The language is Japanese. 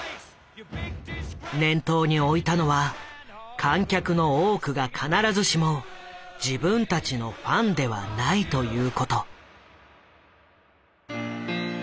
念頭に置いたのは「観客の多くが必ずしも自分たちのファンではない」ということ。